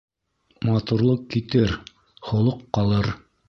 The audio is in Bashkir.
Матурлыҡ китер, холоҡ ҡалыр.